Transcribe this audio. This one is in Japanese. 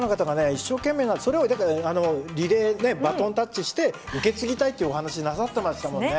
一生懸命なそれをあのリレーバトンタッチして受け継ぎたいっていうお話なさってましたもんね。